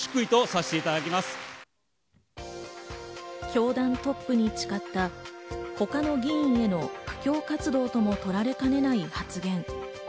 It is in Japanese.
教団トップに誓った他の議員への布教活動とも取られかねない発言。